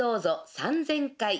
３０００回。